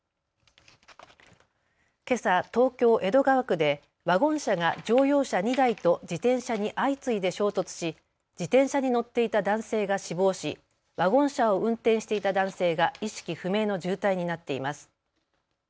けさ、東京江戸川区でワゴン車が乗用車２台と自転車に相次いで衝突し自転車に乗っていた男性が死亡し、ワゴン車を運転していた男性が意識不明の重体になっています。